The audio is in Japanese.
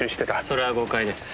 それは誤解です。